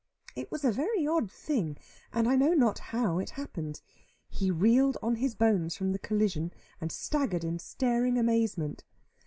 It was a very odd thing, and I know not how it happened. He reeled on his bones from the collision, and staggered in staring amazement.